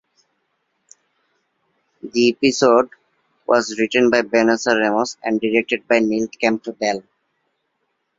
The episode was written by Vanessa Ramos and directed by Neil Campbell.